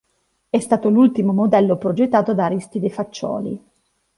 È stato l'ultimo modello progettato da Aristide Faccioli.